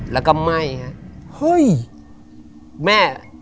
แล้วก็ไม่ครับเฮ้ยแม่